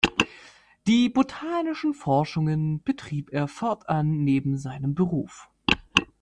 Die botanischen Forschungen betrieb er fortan neben seinem Beruf.